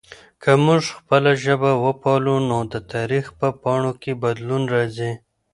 که موږ خپله ژبه وپالو نو د تاریخ په پاڼو کې بدلون راځي.